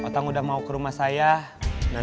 saya juga mau jalan